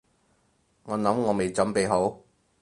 我諗我未準備好